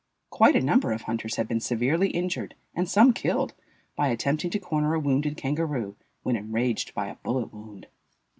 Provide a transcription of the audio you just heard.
Quite a number of hunters have been severely injured, and some killed, by attempting to corner a wounded kangaroo when enraged by a bullet wound.